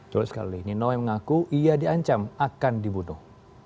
jolos sekali ninoi mengaku ia diancam akan dibunuh